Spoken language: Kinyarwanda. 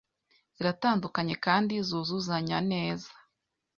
Ziratandukanye kandi zuzuzanya neza